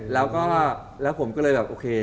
แล้วก็แล้วผมก็เลยแบบโอเค